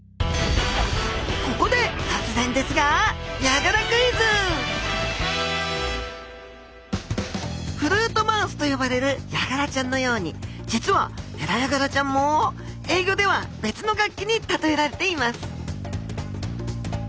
ここで突然ですがフルートマウスと呼ばれるヤガラちゃんのように実はヘラヤガラちゃんも英語では別の楽器に例えられています